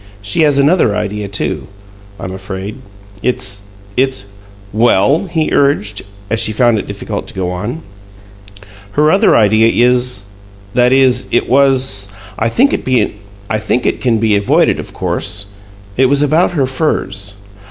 She has another idea, too, I'm afraid. It's it's " "Well?" he urged, as she found it difficult to go on. "Her other idea is that is, it was I think it can be avoided, of course it was about her furs."